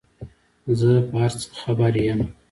زه په هر څه خبر یم ،